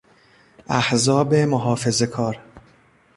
احزاب محافظهکار